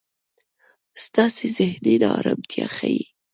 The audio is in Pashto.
ستاسې زهني نا ارمتیا ښي.